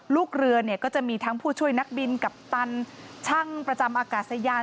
ลูกเรือเนี่ยก็จะมีทั้งผู้ช่วยนักบินกัปตันช่างประจำอากาศยาน